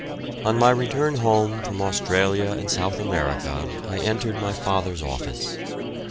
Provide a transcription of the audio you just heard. On my return home from Australia and South America I entered my father's office.